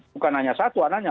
bukan hanya satu anaknya